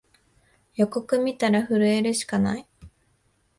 予告みたら震えるしかない